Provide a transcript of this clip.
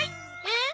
え？